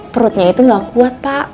perutnya itu gak kuat pak